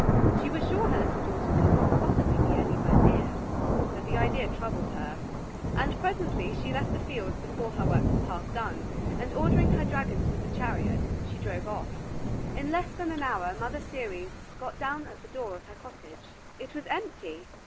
She was sure her little daughter could not possibly be anywhere near, but the idea troubled her: and presently she left the fields before her work was half done and, ordering her dragons with the chariot, she drove off. In less than an hour Mother Ceres got down at the door of her cottage. It was empty!